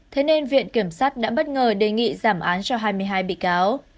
thế nên viện kiểm sát đã bất ngờ đề nghị giảm án cho hai mươi hai bị cáo